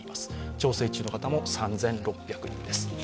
調整中の方も３６００人です。